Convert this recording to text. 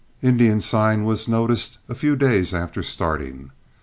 Indian sign was noticed a few days after starting.